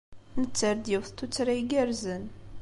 Netter-d yiwet n tuttra igerrzen.